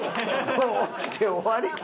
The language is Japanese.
もう落ちて終わり。